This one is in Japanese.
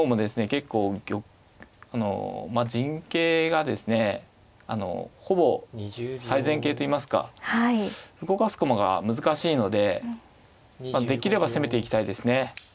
結構陣形がですねほぼ最善形といいますか動かす駒が難しいのでできれば攻めていきたいですね。